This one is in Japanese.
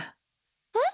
えっ？